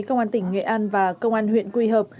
công an tỉnh nghệ an và công an huyện quỳ hợp